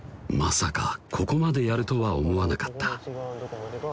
まさかここまでやるとは思わなかった８６